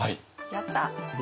やった！